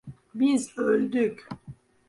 Biz öldük.